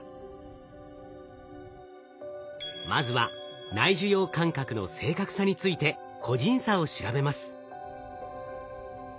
まずは内受容感覚の正確さについて個人差を調べます。